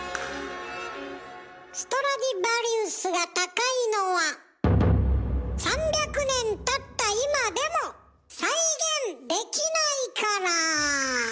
ストラディヴァリウスが高いのは３００年たった今でも再現できないから。